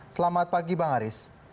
selamat pagi bang aris